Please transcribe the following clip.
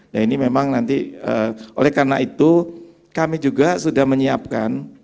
nah ini memang nanti oleh karena itu kami juga sudah menyiapkan